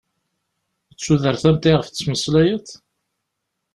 D tudert am ta iɣef d-ttmeslayeḍ?